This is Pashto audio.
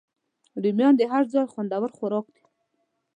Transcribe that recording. رومیان د هر ځای خوندور خوراک دی